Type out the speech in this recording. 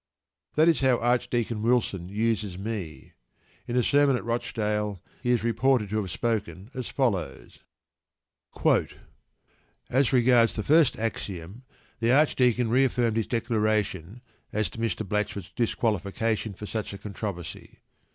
That is how Archdeacon Wilson uses me. In a sermon at Rochdale he is reported to have spoken as follows: As regards the first axiom, the archdeacon reaffirmed his declaration as to Mr. Blatchford's disqualification for such a controversy...